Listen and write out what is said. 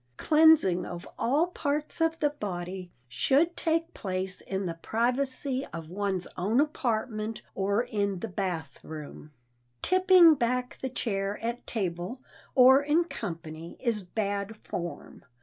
Cleansing of all parts of the body should take place in the privacy of one's own apartment or in the bath room. Tipping back the chair at table or in company is bad form.